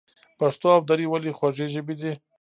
پښتو او دري ولې خوږې ژبې دي؟